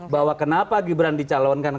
bahwa kenapa gibran dicalonkan